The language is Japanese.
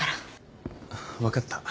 分かった。